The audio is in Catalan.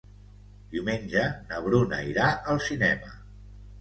Diumenge na Bruna irà al cinema.